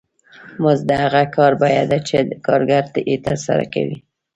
مزد د هغه کار بیه ده چې کارګر یې ترسره کوي